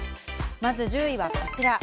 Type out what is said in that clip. まず１０位はこちら。